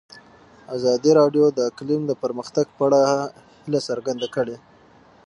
ازادي راډیو د اقلیم د پرمختګ په اړه هیله څرګنده کړې.